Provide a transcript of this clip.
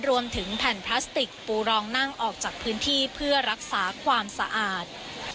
รวมถึงแผ่นพลาสติกปูรองนั่งออกจากพื้นที่เพื่อรักษาความสะอาด